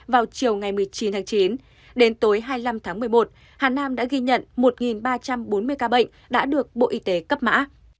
vào chiều ngày một mươi chín tháng chín đến tối hai mươi năm tháng một mươi một hà nam đã ghi nhận một ba trăm bốn mươi ca bệnh đã được bộ y tế cấp mã